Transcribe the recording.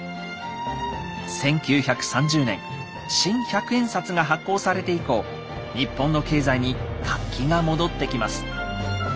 １９３０年新百円札が発行されて以降日本の経済に活気が戻ってきます。